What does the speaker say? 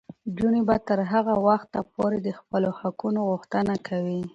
نجونې به تر هغه وخته پورې د خپلو حقونو غوښتنه کوي.